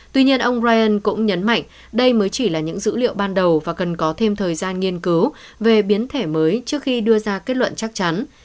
tuy nhiên ông ryan cũng nhấn mạnh đây mới chỉ là những dữ liệu ban đầu và cần có thêm thời gian nghiên cứu về biến thể mới trước khi đưa ra kết luận chắc chắn